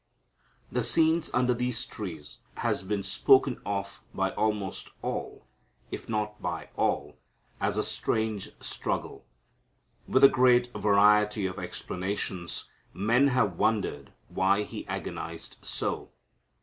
The scene under these trees has been spoken of by almost all, if not by all, as a strange struggle. With a great variety of explanations men have wondered why He agonized so.